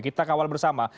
kita kawal bersama